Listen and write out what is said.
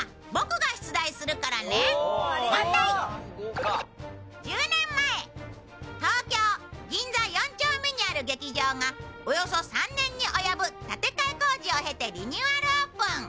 ここから１０年前東京銀座４丁目にある劇場がおよそ３年に及ぶ建て替え工事を経てリニューアルオープン。